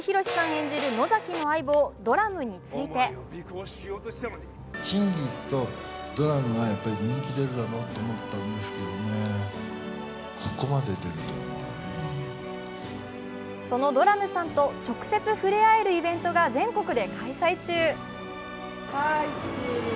演じる野崎の相棒、ドラムについてそのドラムさんと直接触れ合えるイベントが全国で開催中。